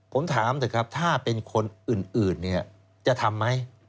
ผมถามสิครับถ้าเป็นคนอื่นจะทำไหม